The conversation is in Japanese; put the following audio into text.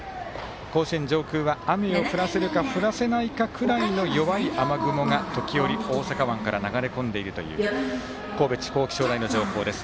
甲子園上空は雨を降らせるか降らせないかぐらいの弱い雨雲が時折、大阪湾から流れ込んでいるという神戸地方気象台の情報です。